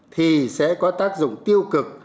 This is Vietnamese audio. thì sẽ có tác dụng tiêu cực